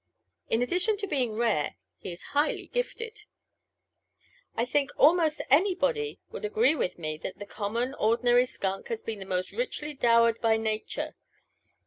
In addition to being rare, he is highly gifted. I think almost anybody will agree with me that the common, ordinary skunk has been most richly dowered by Nature.